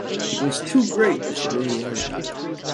It was too great a familiarity.